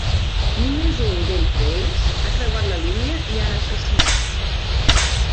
Només un d'entre ells ha creuat la línia i ha assassinat.